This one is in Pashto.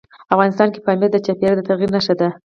افغانستان کې پامیر د چاپېریال د تغیر نښه ده.